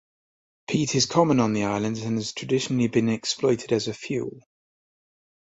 Peat is common on the islands and has traditionally been exploited as a fuel.